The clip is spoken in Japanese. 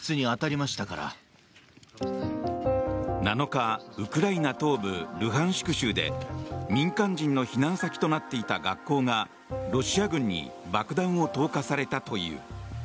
７日、ウクライナ東部ルハンシク州で民間人の避難先となっていた学校がロシア軍に爆弾を投下されたという。